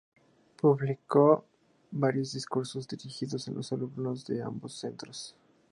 Publicó varios discursos dirigidos a los alumnos de ambos centros.